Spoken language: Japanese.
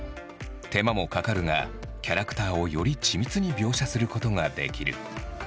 手間もかかるがキャラクターをより緻密に描写することができる。